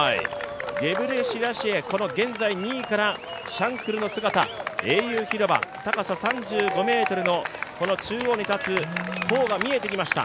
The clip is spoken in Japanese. ゲブレシラシエ、現在２位からシャンクルの姿、英雄広場、高さ３５ｍの中央に立つ塔が見えてきました。